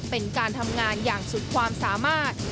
เป็นการทำงานอย่างสุดความสามารถ